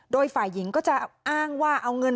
โดยฝ่ายหญิงก็จะอ้างว่าเอาเงิน